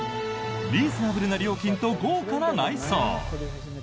リーズナブルな料金と豪華な内装。